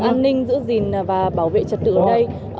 an ninh giữ gìn và bảo vệ trật tự ở đây